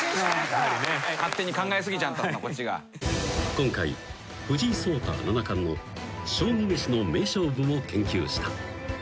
［今回藤井聡太七冠の将棋めしの名勝負も研究した］